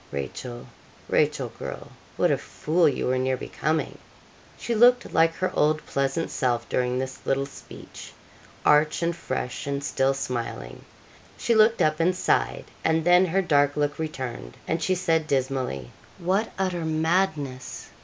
Rachel, Rachel, girl! what a fool you were near becoming!' She looked like her old pleasant self during this little speech arch and fresh, and still smiling she looked up and sighed, and then her dark look returned, and she said dismally, 'What utter madness!'